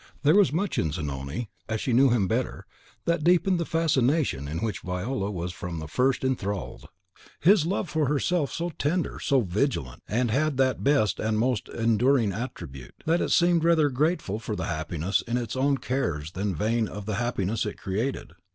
There was much in Zanoni, as she knew him better, that deepened the fascination in which Viola was from the first enthralled. His love for herself was so tender, so vigilant, and had that best and most enduring attribute, that it seemed rather grateful for the happiness in its own cares than vain of the happiness it created.